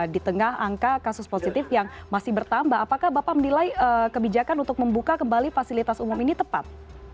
di tengah angka kasus positif yang masih bertambah apakah bapak menilai kebijakan untuk membuka kembali fasilitas umum ini tepat